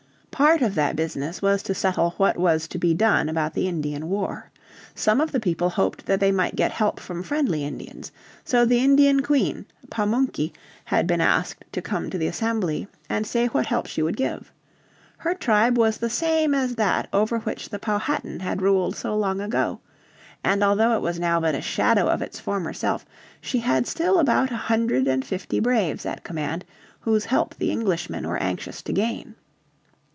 Part of that business was to settle what was to be done about the Indian war. Some of the people hoped that they might get help from friendly Indians. So the Indian Queen, Pamunky, had been asked to come to the Assembly and say what help she would give. Her tribe was the same as that over which the Powhatan had ruled so long ago. And although it was now but a shadow of its former self she had still about a hundred and fifty braves at command whose help the Englishmen were anxious to gain.